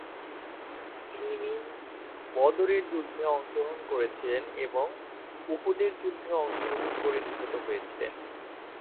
তিনি বদরের যুদ্ধে অংশগ্রহণ করেছিলেন এবং উহুদের যুদ্ধে অংশগ্রহণ করে নিহত হয়েছিলেন।